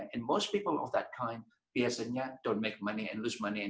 dan kebanyakan orang seperti itu biasanya tidak membuat uang